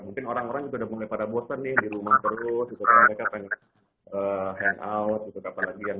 mungkin orang orang sudah mulai pada bosan nih di rumah terus mereka tanya hangout apa lagi yang